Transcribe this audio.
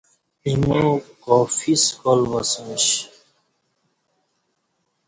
ایمو کافی سکال باسمش